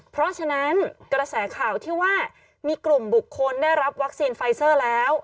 เพราะฉะนั้นกระแสข่าวที่ว่ามีกลุ่มบุคคลได้รับวัคซีนไฟเซอร์แล้ว